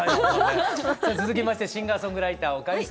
さあ続きましてシンガーソングライターおかゆさんです。